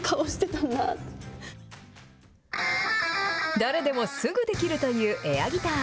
誰でもすぐできるというエアギター。